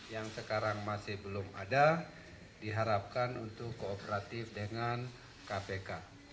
yang sekarang masih belum ada diharapkan untuk kooperatif dengan kpk